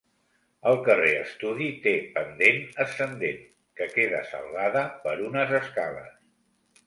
El carrer Estudi té pendent ascendent, que queda salvada per unes escales.